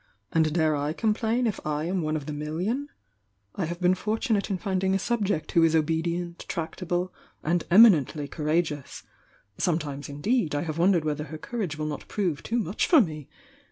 "And dare I complain if I am one of the million? I have been fortunate in finding a subject who is obedient, tractable, and eminently courageous, — sometimes, indeed, I have wondered whether her courage will not prove too much for me!